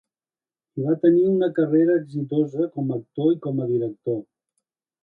Hi va tenir una carrera exitosa com a actor i com a director.